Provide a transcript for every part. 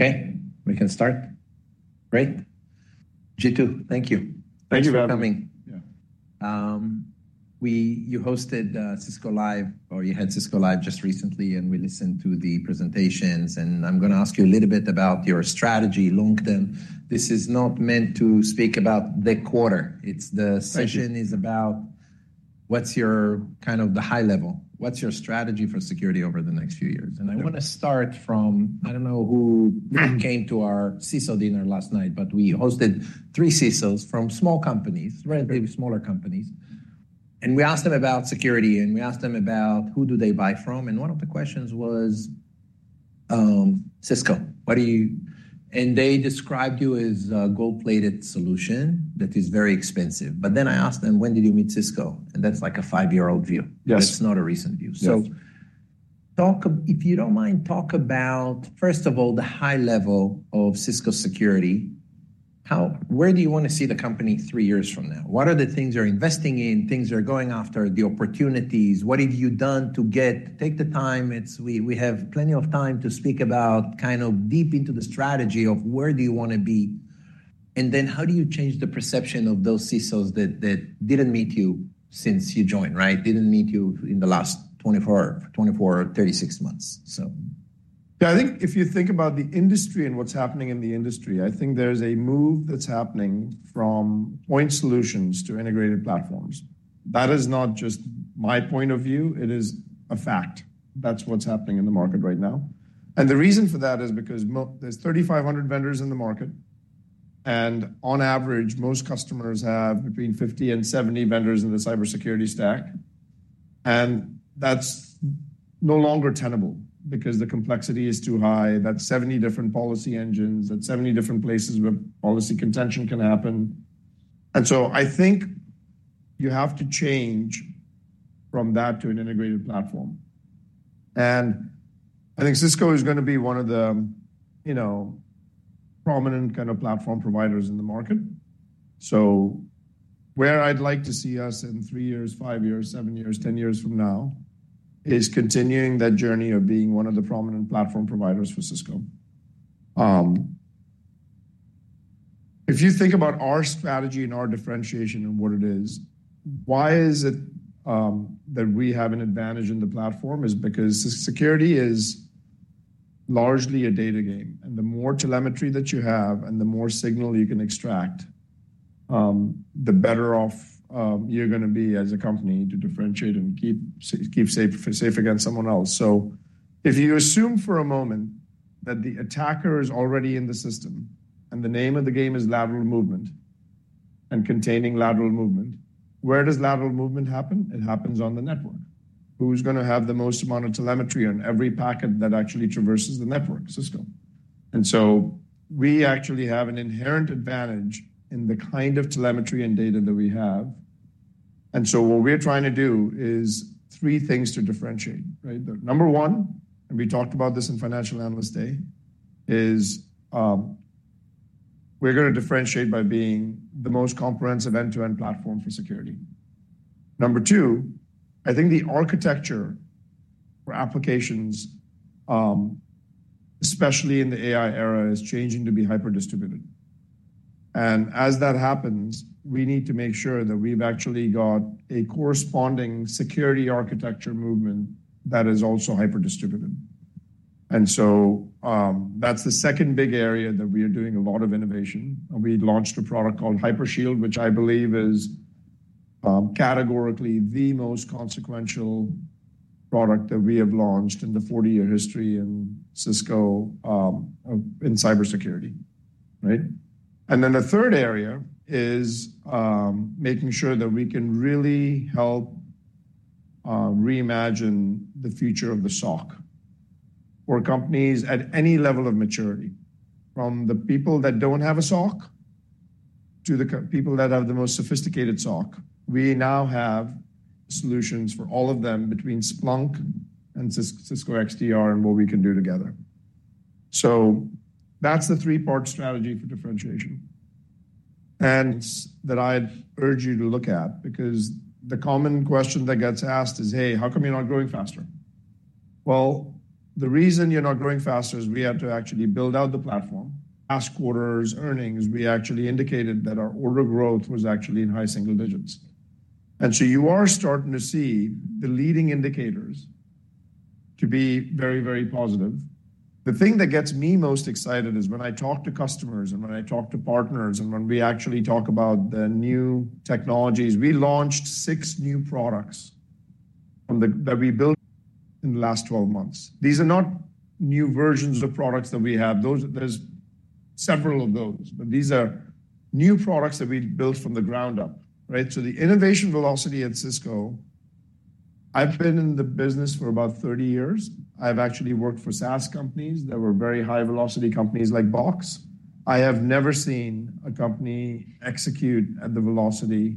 Okay, we can start. Great. Jeetu, thank you. Thank you, brother. For coming. Yeah. We—you hosted Cisco Live, or you had Cisco Live just recently, and we listened to the presentations. And I'm gonna ask you a little bit about your strategy, long-term. This is not meant to speak about the quarter. It's the session is about what's your kind of the high level. What's your strategy for security over the next few years? And I wanna start from—I don't know who came to our Cisco dinner last night, but we hosted three CISOs from small companies, relatively smaller companies. And we asked them about security, and we asked them about who do they buy from. And one of the questions was, Cisco, what do you—and they described you as a gold-plated solution that is very expensive. But then I asked them, when did you meet Cisco? And that's like a five-year-old view. Yes. That's not a recent view. Yes. So, talk—if you don't mind, talk about, first of all, the high-level of Cisco security. How, where do you wanna see the company three years from now? What are the things you're investing in, things you're going after, the opportunities? What have you done to get, take the time? It's, we have plenty of time to speak about kind of deep into the strategy of where do you wanna be. And then how do you change the perception of those CISOs that didn't meet you since you joined, right? Didn't meet you in the last 24 or 36 months, so. Yeah, I think if you think about the industry and what's happening in the industry, I think there's a move that's happening from point solutions to integrated platforms. That is not just my point of view; it is a fact. That's what's happening in the market right now. And the reason for that is because there's 3,500 vendors in the market, and on average, most customers have between 50 and 70 vendors in the cybersecurity stack. And that's no longer tenable because the complexity is too high. That's 70 different policy engines, that's 70 different places where policy contention can happen. And so I think you have to change from that to an integrated platform. And I think Cisco is gonna be one of the, you know, prominent kind of platform providers in the market. So where I'd like to see us in three years, five years, seven years, 10 years from now is continuing that journey of being one of the prominent platform providers for Cisco. If you think about our strategy and our differentiation and what it is, why is it, that we have an advantage in the platform? It's because security is largely a data game. And the more telemetry that you have and the more signal you can extract, the better off, you're gonna be as a company to differentiate and keep, keep safe, safe against someone else. So if you assume for a moment that the attacker is already in the system and the name of the game is lateral movement and containing lateral movement, where does lateral movement happen? It happens on the network. Who's gonna have the most amount of telemetry on every packet that actually traverses the network? Cisco. And so we actually have an inherent advantage in the kind of telemetry and data that we have. And so what we're trying to do is three things to differentiate, right? Number one, and we talked about this in Financial Analyst Day, is, we're gonna differentiate by being the most comprehensive end-to-end platform for security. Number two, I think the architecture for applications, especially in the AI era, is changing to be hyper-distributed. And as that happens, we need to make sure that we've actually got a corresponding security architecture movement that is also hyper-distributed. And so, that's the second big area that we are doing a lot of innovation. We launched a product called Hypershield, which I believe is, categorically the most consequential product that we have launched in the 40-year history in Cisco, in cybersecurity, right? Then the third area is, making sure that we can really help, reimagine the future of the SOC for companies at any level of maturity, from the people that don't have a SOC to the people that have the most sophisticated SOC. We now have solutions for all of them between Splunk and Cisco XDR and what we can do together. So that's the three-part strategy for differentiation. And that I'd urge you to look at because the common question that gets asked is, "Hey, how come you're not growing faster?" Well, the reason you're not growing faster is we had to actually build out the platform. Last quarter's earnings, we actually indicated that our order growth was actually in high single digits. So you are starting to see the leading indicators to be very, very positive. The thing that gets me most excited is when I talk to customers and when I talk to partners and when we actually talk about the new technologies. We launched six new products that we built in the last 12 months. These are not new versions of products that we have. Those, there's several of those, but these are new products that we built from the ground up, right? So the innovation velocity at Cisco, I've been in the business for about 30 years. I've actually worked for SaaS companies that were very high-velocity companies like Box. I have never seen a company execute at the velocity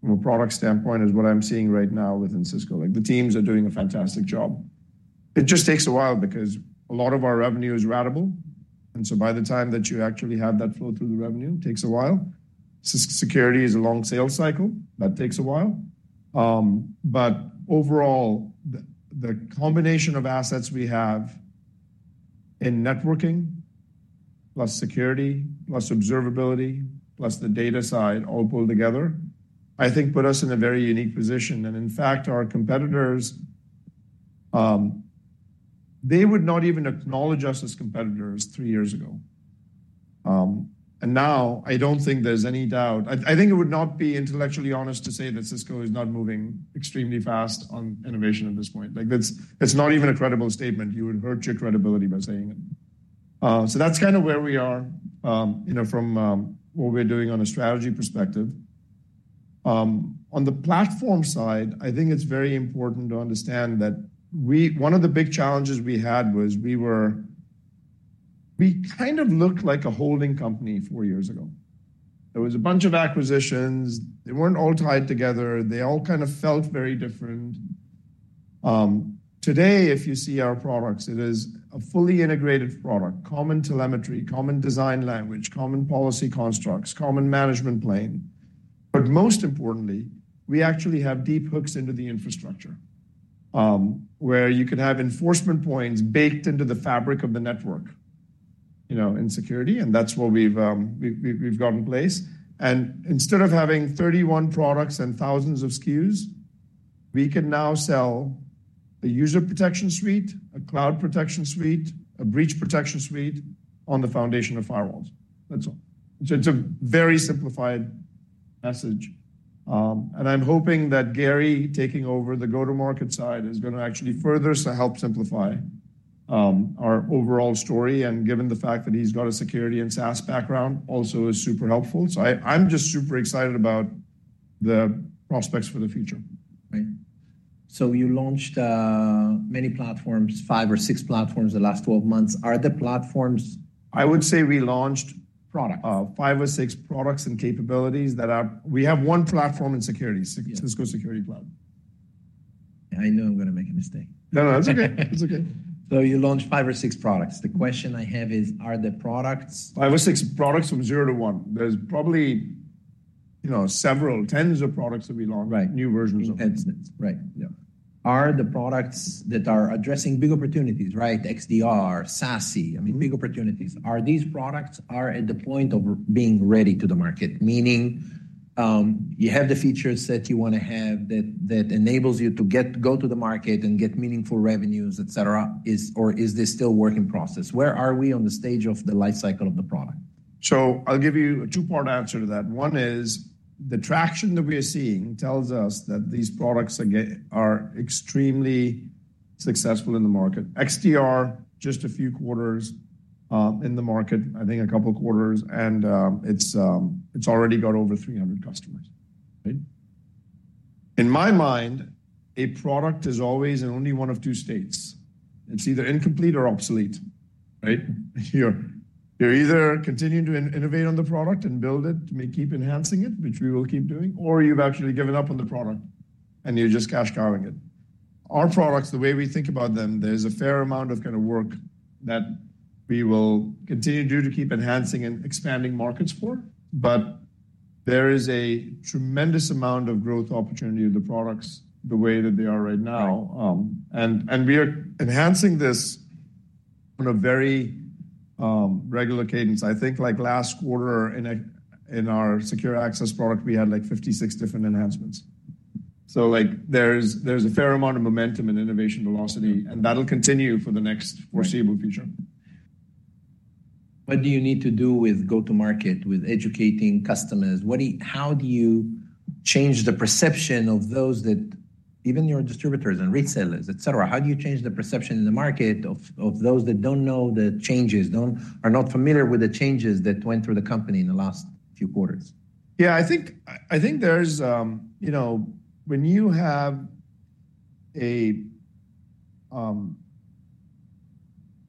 from a product standpoint is what I'm seeing right now within Cisco. Like, the teams are doing a fantastic job. It just takes a while because a lot of our revenue is ratable. And so by the time that you actually have that flow through the revenue, it takes a while. Cisco security is a long sales cycle. That takes a while. But overall, the combination of assets we have in networking, plus security, plus observability, plus the data side all pulled together, I think put us in a very unique position. And in fact, our competitors, they would not even acknowledge us as competitors three years ago. And now I don't think there's any doubt. I think it would not be intellectually honest to say that Cisco is not moving extremely fast on innovation at this point. Like, that's, it's not even a credible statement. You would hurt your credibility by saying it. So that's kind of where we are, you know, from what we're doing on a strategy perspective. On the platform side, I think it's very important to understand that we, one of the big challenges we had was we were, we kind of looked like a holding company four years ago. There was a bunch of acquisitions. They weren't all tied together. They all kind of felt very different. Today, if you see our products, it is a fully integrated product, common telemetry, common design language, common policy constructs, common management plane. But most importantly, we actually have deep hooks into the infrastructure, where you can have enforcement points baked into the fabric of the network, you know, in security. And that's what we've got in place. Instead of having 31 products and thousands of SKUs, we can now sell a User Protection Suite Right. So you launched many platforms, five or six platforms the last 12 months. Are the platforms... I would say we launched. Products. five or six products and capabilities that are. We have one platform in security, Cisco Security Cloud. I know I'm gonna make a mistake. No, no, that's okay. That's okay. So you launched five or six products. The question I have is, are the products? 5 or 6 products from zero to one. There's probably, you know, several tens of products that we launched. Right. New versions of— New headsets. Right. Yeah. Are the products that are addressing big opportunities, right? XDR, SASE, I mean, big opportunities. Are these products at the point of being ready to the market? Meaning, you have the features that you wanna have that, that enables you to get, go to the market and get meaningful revenues, et cetera. Is—or is this still a work in process? Where are we on the stage of the life cycle of the product? So I'll give you a two-part answer to that. One is the traction that we are seeing tells us that these products are extremely successful in the market. XDR, just a few quarters, in the market, I think a couple quarters. And it's already got over 300 customers, right? In my mind, a product is always in only one of two states. It's either incomplete or obsolete, right? You're either continuing to innovate on the product and build it to keep enhancing it, which we will keep doing, or you've actually given up on the product and you're just cash cowing it. Our products, the way we think about them, there's a fair amount of kind of work that we will continue to do to keep enhancing and expanding markets for. But there is a tremendous amount of growth opportunity of the products the way that they are right now. And we are enhancing this on a very regular cadence. I think like last quarter in our Secure Access product, we had like 56 different enhancements. So like there's a fair amount of momentum and innovation velocity, and that'll continue for the next foreseeable future. What do you need to do with go-to-market, with educating customers? What do you, how do you change the perception of those that even your distributors and retailers, et cetera? How do you change the perception in the market of, of those that don't know the changes, don't, are not familiar with the changes that went through the company in the last few quarters? Yeah, I think, I think there's, you know, when you have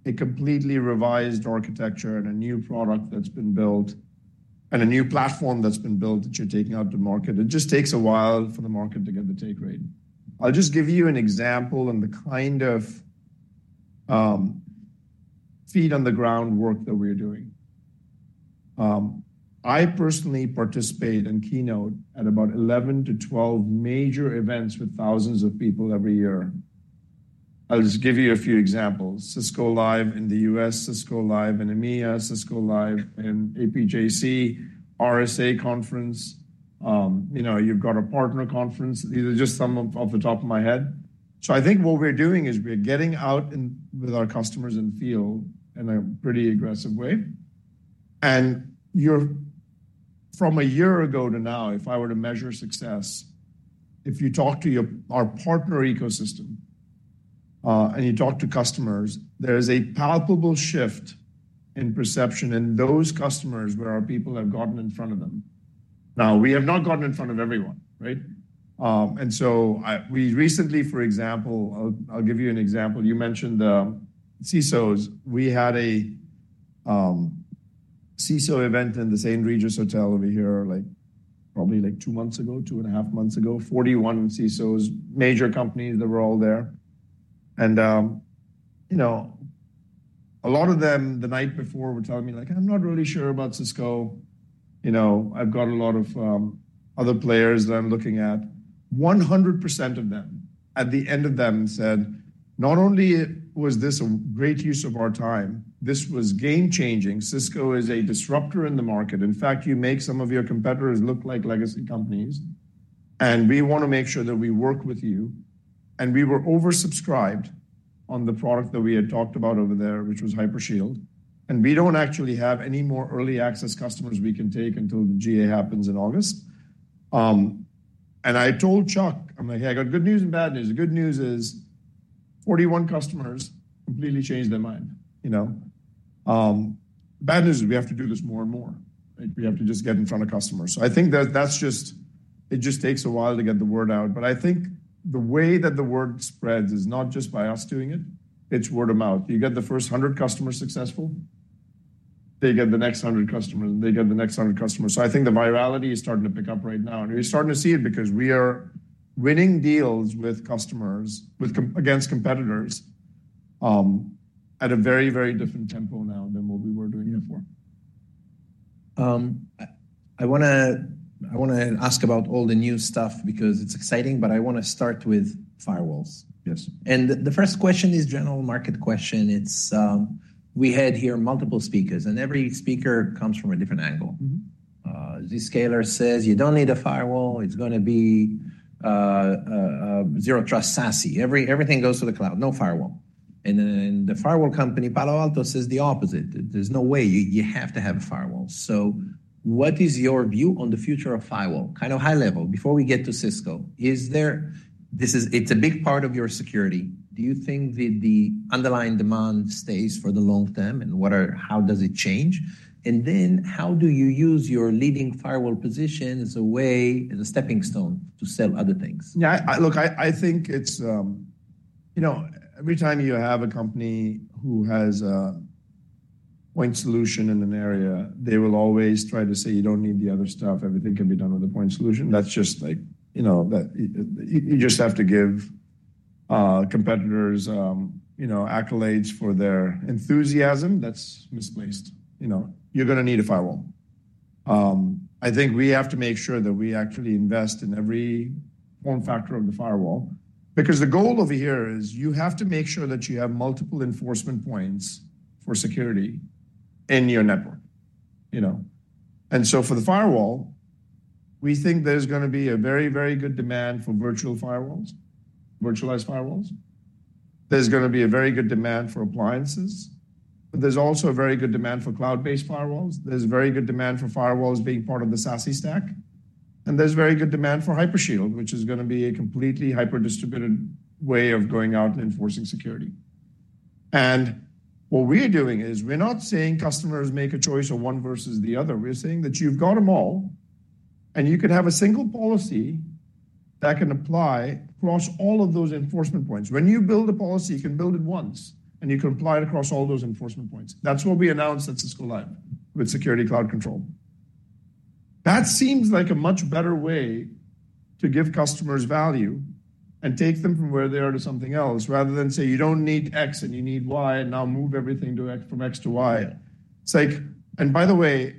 a completely revised architecture and a new product that's been built and a new platform that's been built that you're taking out to market, it just takes a while for the market to get the take rate. I'll just give you an example and the kind of feet on the ground work that we are doing. I personally participate and keynote at about 11 to 12 major events with thousands of people every year. I'll just give you a few examples. Cisco Live in the US, Cisco Live in EMEA, Cisco Live in APJC, RSA Conference. You know, you've got a partner conference. These are just some off the top of my head. So I think what we're doing is we're getting out with our customers and field in a pretty aggressive way. You're from a year ago to now, if I were to measure success, if you talk to your, our partner ecosystem, and you talk to customers, there is a palpable shift in perception in those customers where our people have gotten in front of them. Now, we have not gotten in front of everyone, right? So I, we recently, for example, I'll, I'll give you an example. You mentioned the CISOs. We had a CISO event in the St. Regis Hotel over here, like probably like two months ago, two and half months ago, 41 CISOs, major companies that were all there. You know, a lot of them the night before were telling me like, "I'm not really sure about Cisco. You know, I've got a lot of, other players that I'm looking at." 100% of them at the end of them said, "Not only was this a great use of our time, this was game-changing. Cisco is a disruptor in the market. In fact, you make some of your competitors look like legacy companies. And we wanna make sure that we work with you." And we were oversubscribed on the product that we had talked about over there, which was Hypershield. And we don't actually have any more early access customers we can take until the GA happens in August. And I told Chuck, I'm like, "Hey, I got good news and bad news. The good news is 41 customers completely changed their mind, you know?" The bad news is we have to do this more and more, right? We have to just get in front of customers. So I think that that's just, it just takes a while to get the word out. But I think the way that the word spreads is not just by us doing it. It's word of mouth. You get the first 100 customers successful, they get the next 100 customers, and they get the next 100 customers. So I think the virality is starting to pick up right now. And you're starting to see it because we are winning deals with customers against competitors, at a very, very different tempo now than what we were doing before. I wanna ask about all the new stuff because it's exciting, but I wanna start with firewalls. Yes. The first question is a general market question. It's we had here multiple speakers, and every speaker comes from a different angle. Mm-hmm. Zscaler says you don't need a firewall. It's gonna be zero trust SASE. Everything goes to the cloud. No firewall. And then the firewall company, Palo Alto, says the opposite. There's no way. You have to have a firewall. So what is your view on the future of firewall? Kind of high level before we get to Cisco. Is there, this is, it's a big part of your security. Do you think that the underlying demand stays for the long term? And what are, how does it change? And then how do you use your leading firewall position as a way, as a stepping stone to sell other things? Yeah, look, I think it's, you know, every time you have a company who has a point solution in an area, they will always try to say, "You don't need the other stuff. Everything can be done with a point solution." That's just like, you know, that you just have to give, competitors, you know, accolades for their enthusiasm. That's misplaced. You know, you're gonna need a firewall. I think we have to make sure that we actually invest in every form factor of the firewall because the goal over here is you have to make sure that you have multiple enforcement points for security in your network, you know? And so for the firewall, we think there's gonna be a very, very good demand for virtual firewalls, virtualized firewalls. There's gonna be a very good demand for appliances. But there's also a very good demand for cloud-based firewalls. There's very good demand for firewalls being part of the SASE stack. There's very good demand for Hypershield, which is gonna be a completely hyper-distributed way of going out and enforcing security. What we are doing is we're not saying customers make a choice of one versus the other. We're saying that you've got them all, and you can have a single policy that can apply across all of those enforcement points. When you build a policy, you can build it once, and you can apply it across all those enforcement points. That's what we announced at Cisco Live with Security Cloud Control. That seems like a much better way to give customers value and take them from where they are to something else rather than say, "You don't need X and you need Y," and now move everything from X to Y. It's like, and by the way,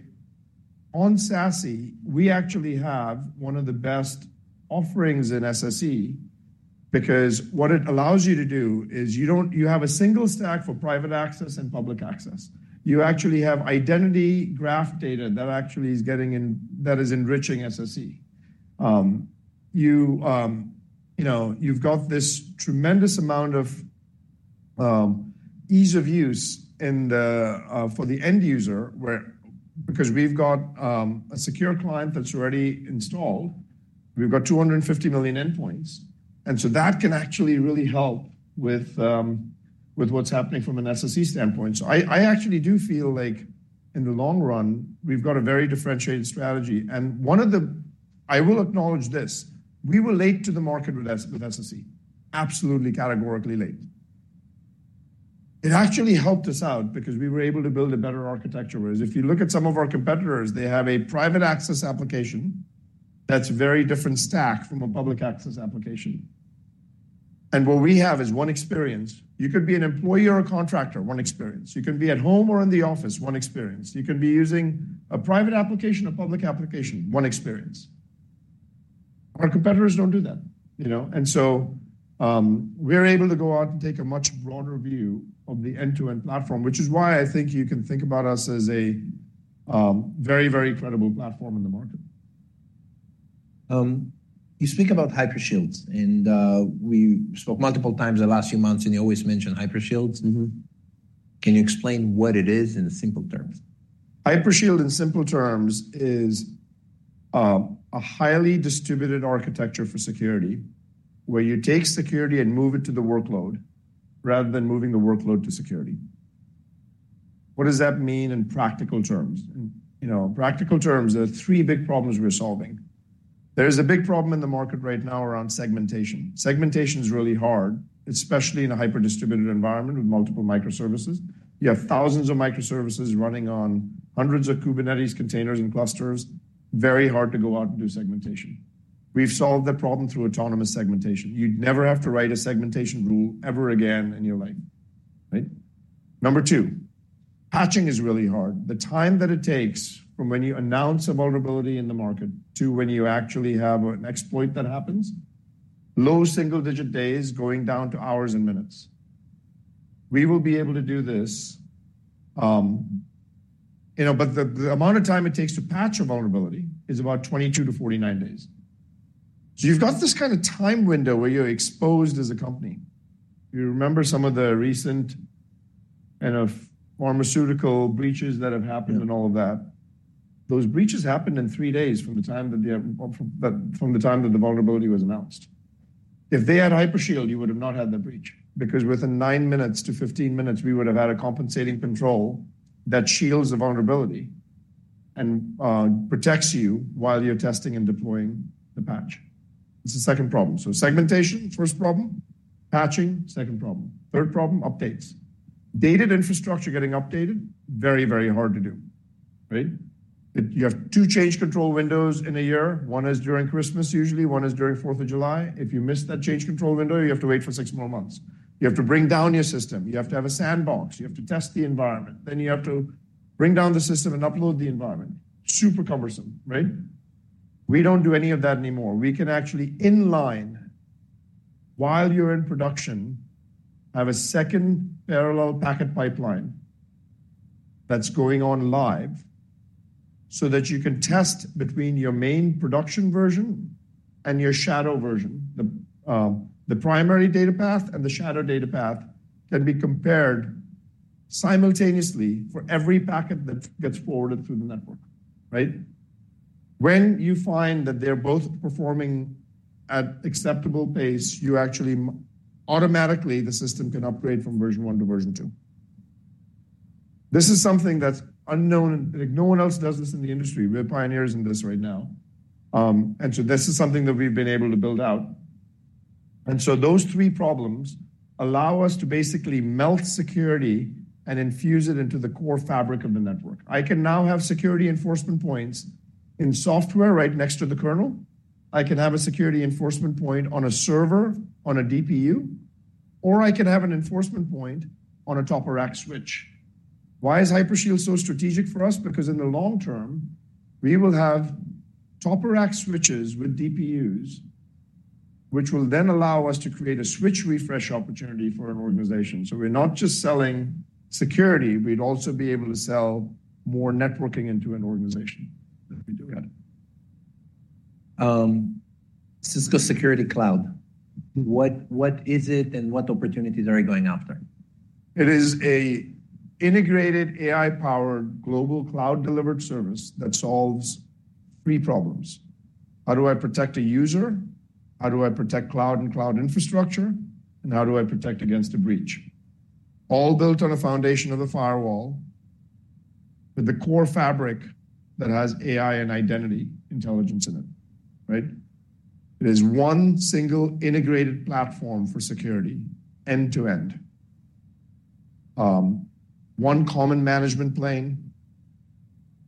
on SASE, we actually have one of the best offerings in SSE because what it allows you to do is you don't—you have a single stack for private access and public access. You actually have identity graph data that actually is getting in, that is enriching SSE. You, you know, you've got this tremendous amount of ease of use in the for the end user where because we've got a Secure Client that's already installed. We've got 250 million endpoints. And so that can actually really help with what's happening from an SSE standpoint. So I, I actually do feel like in the long run, we've got a very differentiated strategy. And one of the—I will acknowledge this—we were late to the market with SSE. Absolutely categorically late. It actually helped us out because we were able to build a better architecture. Whereas if you look at some of our competitors, they have a private access application that's a very different stack from a public access application. And what we have is one experience. You could be an employee or a contractor, one experience. You can be at home or in the office, one experience. You can be using a private application, a public application, one experience. Our competitors don't do that, you know? And so, we're able to go out and take a much broader view of the end-to-end platform, which is why I think you can think about us as a, very, very credible platform in the market. You speak about Hypershield, and we spoke multiple times the last few months, and you always mentioned Hypershield. Mm-hmm. Can you explain what it is in simple terms? Hypershield in simple terms is a highly distributed architecture for security where you take security and move it to the workload rather than moving the workload to security. What does that mean in practical terms? And, you know, in practical terms, there are three big problems we're solving. There is a big problem in the market right now around segmentation. Segmentation is really hard, especially in a hyper-distributed environment with multiple microservices. You have thousands of microservices running on hundreds of Kubernetes containers and clusters. Very hard to go out and do segmentation. We've solved that problem through autonomous segmentation. You'd never have to write a segmentation rule ever again in your life, right? Number two, patching is really hard. The time that it takes from when you announce a vulnerability in the market to when you actually have an exploit that happens, low single-digit days going down to hours and minutes. We will be able to do this, you know, but the amount of time it takes to patch a vulnerability is about 22-49 days. So you've got this kind of time window where you're exposed as a company. You remember some of the recent kind of pharmaceutical breaches that have happened and all of that. Those breaches happened in three days from the time that the—from the time that the vulnerability was announced. If they had Hypershield, you would've not had the breach because within 9-15 minutes, we would've had a compensating control that shields the vulnerability and protects you while you're testing and deploying the patch. It's the second problem. So segmentation, first problem. Patching, second problem. Third problem, updates. Dated infrastructure getting updated, very, very hard to do, right? You have two change control windows in a year. One is during Christmas usually, one is during 4th of July. If you miss that change control window, you have to wait for six more months. You have to bring down your system. You have to have a sandbox. You have to test the environment. Then you have to bring down the system and upload the environment. Super cumbersome, right? We don't do any of that anymore. We can actually inline, while you're in production, have a second parallel packet pipeline that's going on live so that you can test between your main production version and your shadow version. The primary data path and the shadow data path can be compared simultaneously for every packet that gets forwarded through the network, right? When you find that they're both performing at acceptable pace, you actually automatically the system can upgrade from version 1 to version 2. This is something that's unknown and like no one else does this in the industry. We're pioneers in this right now, and so this is something that we've been able to build out. And so those three problems allow us to basically melt security and infuse it into the core fabric of the network. I can now have security enforcement points in software right next to the kernel. I can have a security enforcement point on a server, on a DPU, or I can have an enforcement point on a top-of-rack switch. Why is Hypershield so strategic for us? Because in the long term, we will have top-of-rack switches with DPUs, which will then allow us to create a switch refresh opportunity for an organization. So we're not just selling security. We'd also be able to sell more networking into an organization that we do have. Cisco Security Cloud, what is it and what opportunities are you going after? It is an integrated AI-powered global cloud-delivered service that solves three problems. How do I protect a user? How do I protect cloud and cloud infrastructure? And how do I protect against a breach? All built on a foundation of a firewall with the core fabric that has AI and Identity intelligence in it, right? It is one single integrated platform for security end-to-end, one common management plane,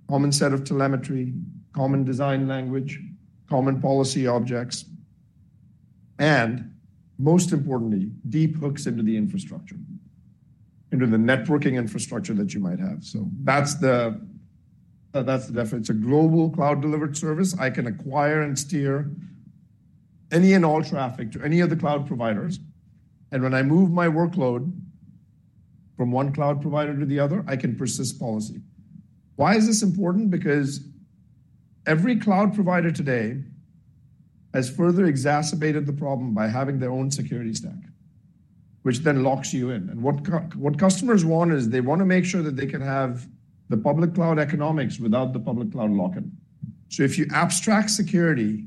common set of telemetry, common design language, common policy objects, and most importantly, deep hooks into the infrastructure, into the networking infrastructure that you might have. So that's the definition. It's a global cloud-delivered service. I can acquire and steer any and all traffic to any of the cloud providers. And when I move my workload from one cloud provider to the other, I can persist policy. Why is this important? Because every cloud provider today has further exacerbated the problem by having their own security stack, which then locks you in. And what customers want is they wanna make sure that they can have the public cloud economics without the public cloud lock-in. So if you abstract security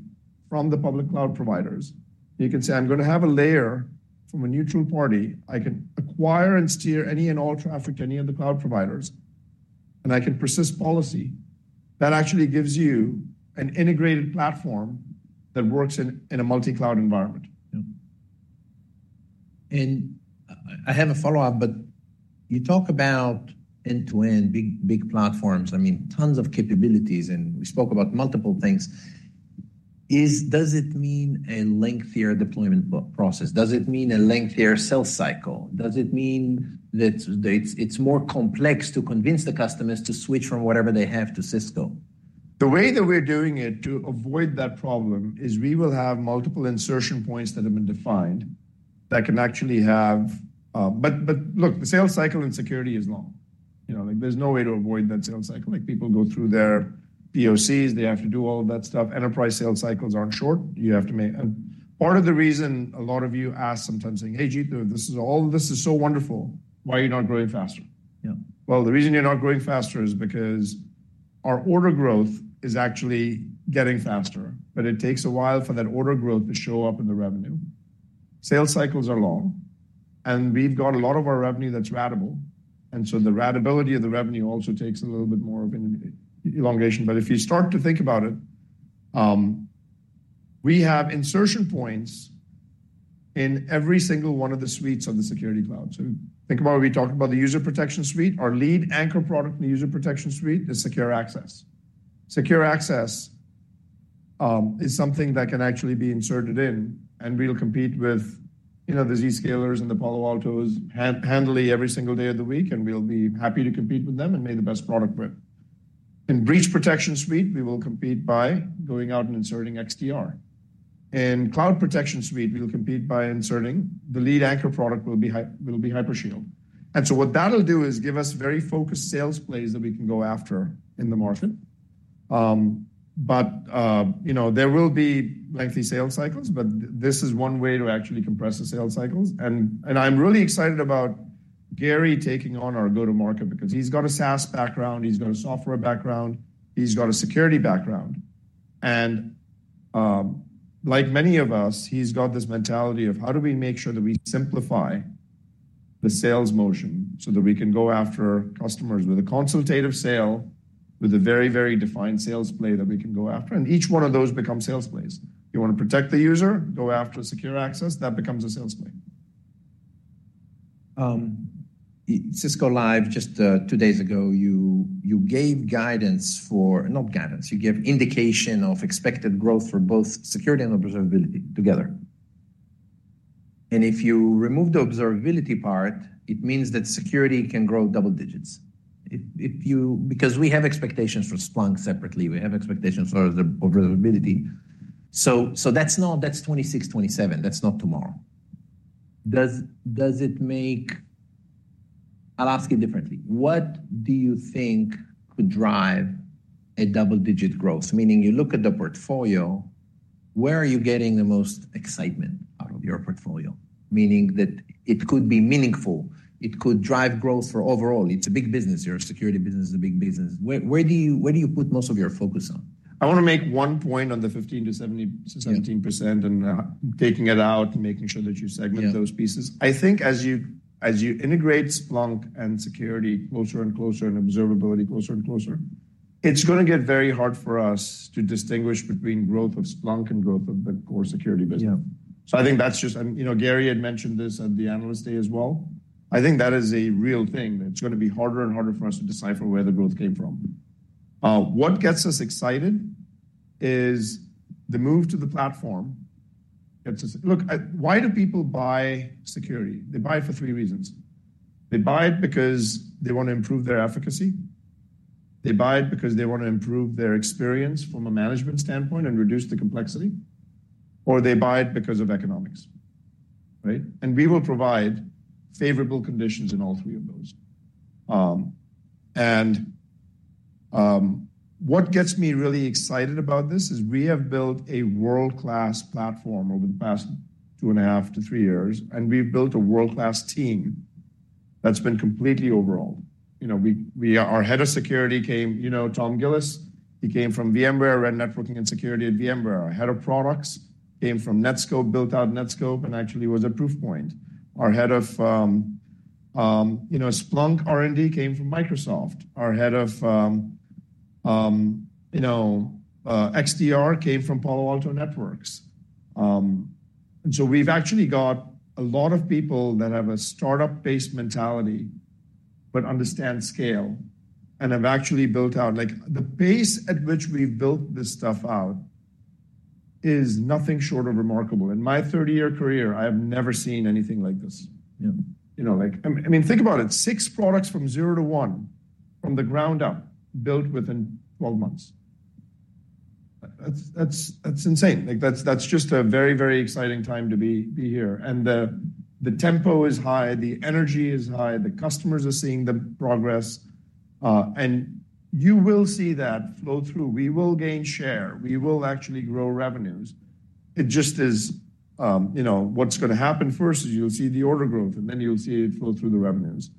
from the public cloud providers, you can say, "I'm gonna have a layer from a neutral party. I can acquire and steer any and all traffic to any of the cloud providers, and I can persist policy." That actually gives you an integrated platform that works in a multi-cloud environment. Yeah. And I have a follow-up, but you talk about end-to-end, big, big platforms. I mean, tons of capabilities, and we spoke about multiple things. Does it mean a lengthier deployment process? Does it mean a lengthier sales cycle? Does it mean that it's more complex to convince the customers to switch from whatever they have to Cisco? The way that we're doing it to avoid that problem is we will have multiple insertion points that have been defined that can actually have, but, but look, the sales cycle in security is long. You know, like there's no way to avoid that sales cycle. Like people go through their POCs. They have to do all of that stuff. Enterprise sales cycles aren't short. You have to make, and part of the reason a lot of you ask sometimes saying, "Hey, Jeetendra, this is all, this is so wonderful. Why are you not growing faster? Yeah. Well, the reason you're not growing faster is because our order growth is actually getting faster, but it takes a while for that order growth to show up in the revenue. Sales cycles are long, and we've got a lot of our revenue that's ratable. And so the ratability of the revenue also takes a little bit more of an elongation. But if you start to think about it, we have insertion points in every single one of the suites of the Security Cloud. So think about what we talked about, the User Protection Suite, our lead anchor product in the User Protection Suite is Secure Access. Secure Access is something that can actually be inserted in, and we'll compete with, you know, the Zscalers and the Palo Altos handily every single day of the week, and we'll be happy to compete with them and make the best product with. In Breach Protection Suite, we will compete by going out and inserting XDR. In Cloud Protection Suite, we'll compete by inserting the lead anchor product will be Hypershield. And so what that'll do is give us very focused sales plays that we can go after in the market. But, you know, there will be lengthy sales cycles, but this is one way to actually compress the sales cycles. And I'm really excited about Gary taking on our go-to-market because he's got a SaaS background, he's got a software background, he's got a security background. And, like many of us, he's got this mentality of how do we make sure that we simplify the sales motion so that we can go after customers with a consultative sale with a very, very defined sales play that we can go after. And each one of those becomes sales plays. You wanna protect the user, go after Secure Access, that becomes a sales play. Cisco Live, just two days ago, you, you gave guidance for, not guidance, you gave indication of expected growth for both security and observability together. And if you remove the observability part, it means that security can grow double digits. If, if you, because we have expectations for Splunk separately, we have expectations for observability. So, so that's not, that's 26, 27. That's not tomorrow. Does, does it make, I'll ask you differently. What do you think could drive a double-digit growth? Meaning you look at the portfolio, where are you getting the most excitement out of your portfolio? Meaning that it could be meaningful, it could drive growth for overall. It's a big business. Your security business is a big business. Where, where do you, where do you put most of your focus on? I wanna make one point on the 15%-17% and taking it out and making sure that you segment those pieces. I think as you, as you integrate Splunk and security closer and closer and observability closer and closer, it's gonna get very hard for us to distinguish between growth of Splunk and growth of the core security business. Yeah. So I think that's just, and you know, Gary had mentioned this at the analyst day as well. I think that is a real thing. It's gonna be harder and harder for us to decipher where the growth came from. What gets us excited is the move to the platform. It's a, look, why do people buy security? They buy it for three reasons. They buy it because they wanna improve their efficacy. They buy it because they wanna improve their experience from a management standpoint and reduce the complexity. Or they buy it because of economics, right? And we will provide favorable conditions in all three of those. What gets me really excited about this is we have built a world-class platform over the past two and a half-three years, and we've built a world-class team that's been completely overall. You know, our head of security came, you know, Tom Gillis. He came from VMware, ran networking and security at VMware. Our head of products came from Netskope, built out Netskope and actually was a Proofpoint. Our head of, you know, Splunk R&D came from Microsoft. Our head of, you know, XDR came from Palo Alto Networks. So we've actually got a lot of people that have a startup-based mentality but understand scale and have actually built out, like the pace at which we've built this stuff out is nothing short of remarkable. In my 30-year career, I have never seen anything like this. Yeah. You know, like, I mean, think about it. Six products from zero to one from the ground up built within 12 months. That's insane. Like that's just a very, very exciting time to be here. And the tempo is high, the energy is high, the customers are seeing the progress, and you will see that flow through. We will gain share. We will actually grow revenues. It just is, you know, what's gonna happen first is you'll see the order growth and then you'll see it flow through the revenues.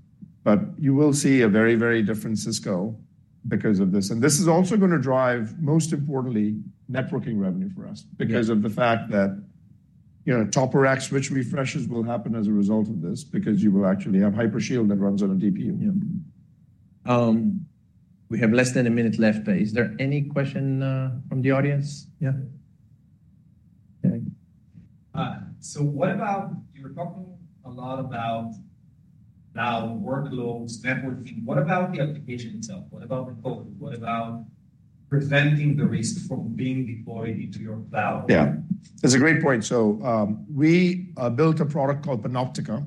But you will see a very, very different Cisco because of this. And this is also gonna drive, most importantly, networking revenue for us because of the fact that, you know, top-of-rack switch refreshes will happen as a result of this because you will actually have Hypershield that runs on a DPU. Yeah. We have less than a minute left, but is there any question, from the audience? Yeah. Okay. So what about, you were talking a lot about now workloads, networking. What about the application itself? What about the code? What about preventing the risk from being deployed into your cloud? Yeah. That's a great point. So, we built a product called Panoptica,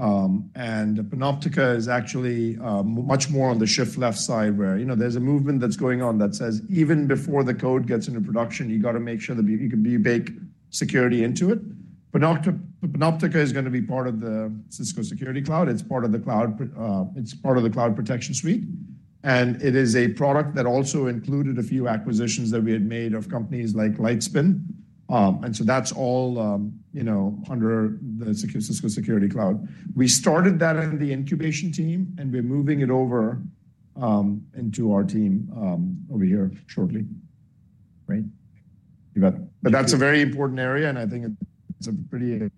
and Panoptica is actually much more on the shift left side where, you know, there's a movement that's going on that says even before the code gets into production, you gotta make sure that you can bake security into it. Panoptica is gonna be part of the Cisco Security Cloud. It's part of the cloud, it's part of the Cloud Protection Suite. And it is a product that also included a few acquisitions that we had made of companies like Lightspin, and so that's all, you know, under the Cisco Security Cloud. We started that in the incubation team and we're moving it over into our team over here shortly. Right? But that's a very important area and I think it's a pretty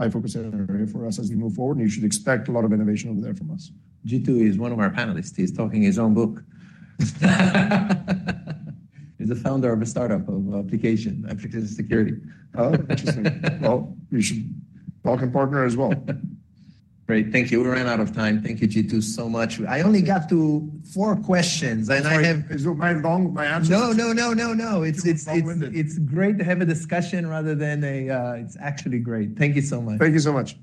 high-focus area for us as we move forward. You should expect a lot of innovation over there from us. Jeetu is one of our panelists. He's talking his own book. He's the founder of a startup of application security. Oh, interesting. Well, you should talk and partner as well. Great. Thank you. We ran out of time. Thank you, Jeetu, so much. I only got to four questions and I have. Is it my long, my answers? No, no, no, no, no. It's great to have a discussion rather than a, it's actually great. Thank you so much. Thank you so much.